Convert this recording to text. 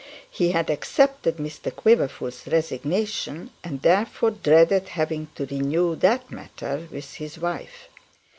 He had accepted Mr Quiverful's resignation, and therefore dreaded having to renew that matter with his wife.